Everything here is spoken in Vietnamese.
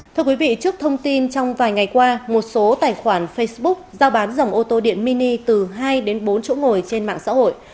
thưa quý vị trước thông tin trong vài ngày qua một số tài khoản facebook giao bán dòng ô tô điện mini từ hai đến bốn chỗ ngồi trên mạng xã hội